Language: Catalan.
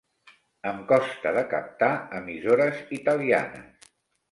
Em costa de captar emissores italianes.